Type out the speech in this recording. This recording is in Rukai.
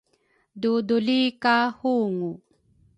Duduli ka hungu